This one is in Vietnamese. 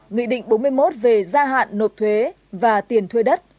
nghị định bốn mươi một về gia hạn nộp thuế và tiền thuê đất